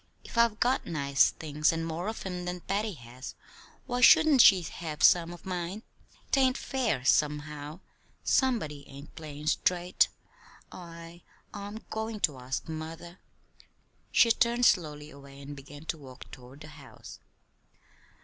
"If I've got nice things and more of 'em than Patty has, why shouldn't she have some of mine? 'Tain't fair, somehow. Somebody ain't playin' straight. I I'm goin' to ask mother." And she turned slowly away and began to walk toward the house.